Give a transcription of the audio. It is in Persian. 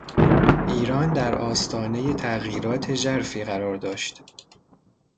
ایران در آستانهی تغییرات ژرفی قرار داشت.